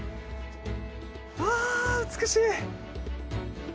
わ美しい！